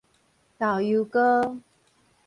豆油膏